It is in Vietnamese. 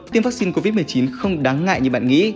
tiêm vaccine covid một mươi chín không đáng ngại như bạn nghĩ